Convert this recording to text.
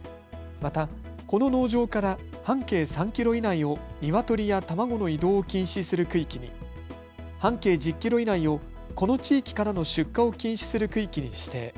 またこの農場から半径３キロ以内をニワトリや卵の移動を禁止する区域に、半径１０キロ以内をこの地域からの出荷を禁止する区域に指定。